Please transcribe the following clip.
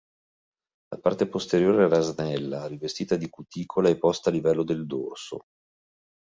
La parte posteriore era snella, rivestita di cuticola e posta a livello del dorso.